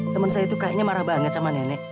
temen saya itu kayaknya marah banget sama nenek